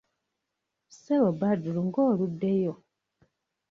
Ssebo Badru ng'oluddeyo?